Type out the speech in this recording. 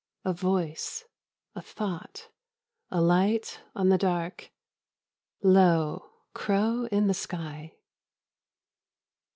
A voice, A thought, a light on the dark, Lo, crow in the sky.